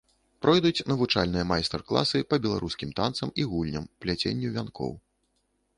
Пройдуць навучальныя майстар-класы па беларускім танцам і гульням, пляценню вянкоў.